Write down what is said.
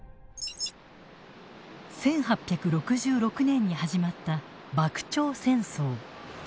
１８６６年に始まった幕長戦争。